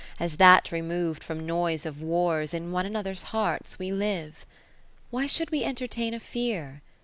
As that remov'd from noise of w^rs, In one another's hearts we live, Why should we entertain a fear